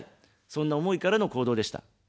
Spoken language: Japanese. そんな思いからの行動でした。